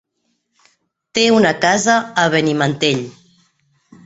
Té una casa a Benimantell.